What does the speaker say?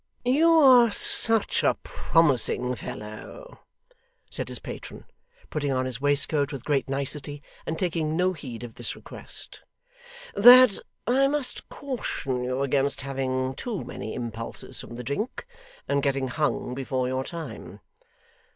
'You are such a promising fellow,' said his patron, putting on his waistcoat with great nicety, and taking no heed of this request, 'that I must caution you against having too many impulses from the drink, and getting hung before your time.